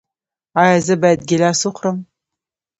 ایا زه باید ګیلاس وخورم؟